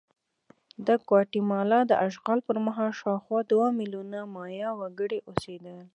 د ګواتیمالا د اشغال پر مهال شاوخوا دوه میلیونه مایا وګړي اوسېدل.